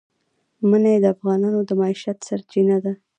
منی د افغانانو د معیشت سرچینه ده.